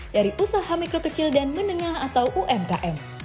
dari usaha mikro kecil dan menengah atau umkm